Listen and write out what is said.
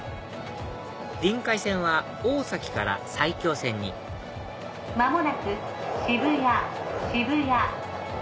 りんかい線は大崎から埼京線に間もなく渋谷渋谷。